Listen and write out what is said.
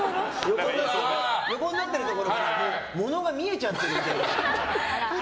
横になってるところからものが見えちゃってる。